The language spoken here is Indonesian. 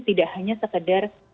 tidak hanya sekedar